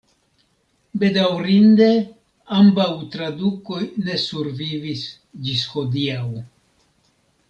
Bedaŭrinde ambaŭ tradukoj ne survivis ĝis hodiaŭ.